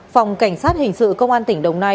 phòng cảnh sát hình sự công an tỉnh đồng nai